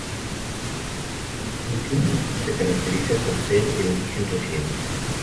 La distribución de los suelos se caracteriza por ser de origen reciente.